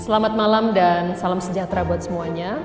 selamat malam dan salam sejahtera buat semuanya